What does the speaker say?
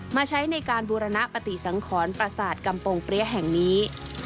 ใช้ในการบูรณปฏิสังขรประสาทกำปงเปรี้ยแห่งนี้